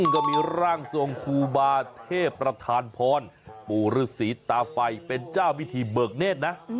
ก็มีร่างทรงครูบาเทพประธานพรปู่ฤษีตาไฟเป็นเจ้าพิธีเบิกเนธนะ